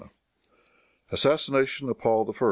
Assassination of Paul I.